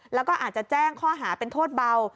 แล้วก็อาจจะแจ้งข้อหาเป็นโทษเบา